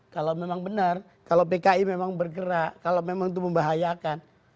kalau memang benar kalau pki memang bergerak kalau memang itu membahayakan